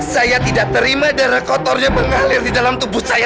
saya tidak terima darah kotornya mengalir di dalam tubuh saya